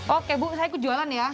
oke bu saya ikut jualan ya